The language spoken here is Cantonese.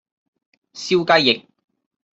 燒雞翼